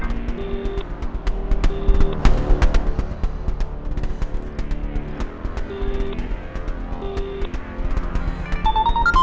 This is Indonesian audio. kalau sampai pernikahan gue sama nino hancur